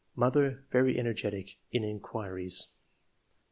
Mother — Very energetic in ... inquiries."